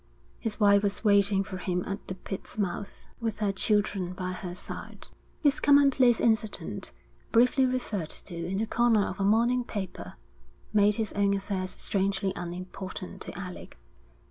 His wife was waiting for him at the pit's mouth, with her children by her side. This commonplace incident, briefly referred to in the corner of a morning paper, made his own affairs strangely unimportant to Alec.